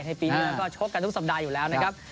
ในปีนี้แล้วก็ชกกันทุกสัปดาห์อยู่แล้วนะครับ